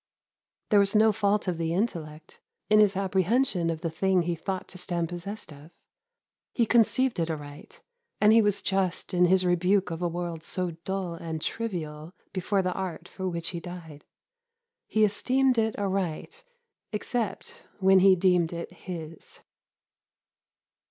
There was no fault of the intellect in his apprehension of the thing he thought to stand possessed of. He conceived it aright, and he was just in his rebuke of a world so dull and trivial before the art for which he died. He esteemed it aright, except when he deemed it his.